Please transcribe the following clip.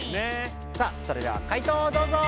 さあそれではかい答をどうぞ！